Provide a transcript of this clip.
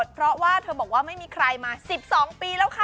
เพราะว่าเธอบอกว่าไม่มีใครมา๑๒ปีแล้วค่ะ